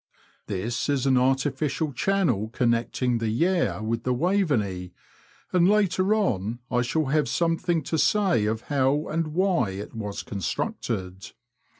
This is an artificial channel connecting the Yare with the Waveney, and later on I shall have something to say of how and why it was constructed.